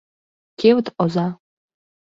Кевыт оза.